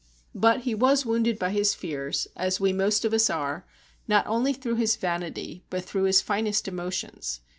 But he was wounded by his fears, as we most of us are, not only through his vanity but through his finest emotions.